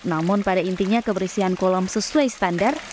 namun pada intinya kebersihan kolom sesuai standar